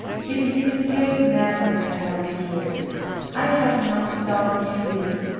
"It is de great Madame I want to hear. I haf not long to live.